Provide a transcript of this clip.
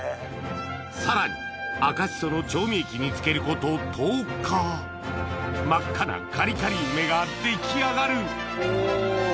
さらに赤紫蘇の調味液に漬けること１０日真っ赤なカリカリ梅が出来上がるお。